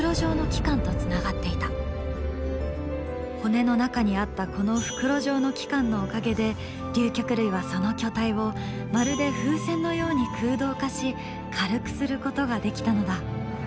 骨の中にあったこの袋状の器官のおかげで竜脚類はその巨体をまるで風船のように空洞化し軽くすることができたのだ。